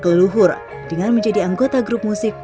kalau kita mau mencari pelajaran awesome itu